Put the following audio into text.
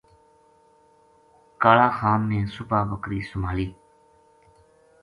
کالا خان نے صبح بکری سُمہالی